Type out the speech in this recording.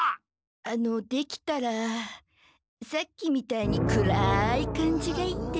あのできたらさっきみたいに暗い感じがいいんですけど。